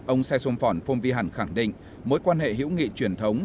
ông say sỏng phong vy hẳn khẳng định mối quan hệ hữu nghị truyền thống